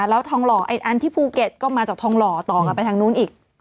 แล้วทองหล่ออีกอันที่ภูเก็ตก็มาจากทองหล่อต่อกลับไปทางนู้นอีก